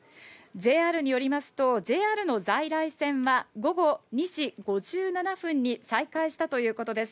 ＪＲによりますと、ＪＲの在来線は午後２時５７分に再開したということです。